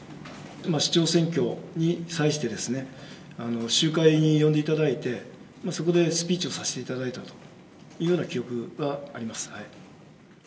市長選挙に際して、集会に呼んでいただいて、そこでスピーチをさせていただいたというような記憶があります。